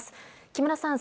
木村さん